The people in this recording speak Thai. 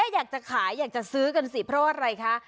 อยากจะขายอยากจะซื้อกันสิเพราะว่าอะไรคะ